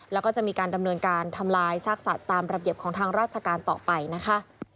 แล้วก็จะมีการดำเนินการทำลายซากสัตว์ตามระเบียบของทางราชการต่อไปนะคะ